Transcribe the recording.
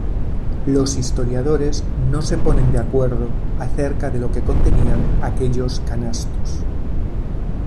Los historiadores no se ponen de acuerdo acerca de lo que contenían aquellos canastos.